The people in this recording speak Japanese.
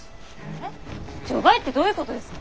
えっ除外ってどういうことですか？